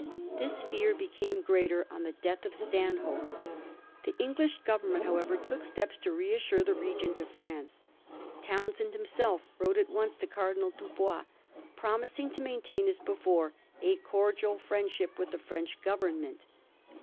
This fear be came greater on the death of Stanhope. The English Government, however, took steps to reassure the Regent of France. Townshend himself wrote at once to Cardinal Dubois, promising to maintain, as before, a cordial fiiendship with the French Government.